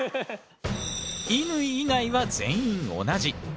乾以外は全員同じ。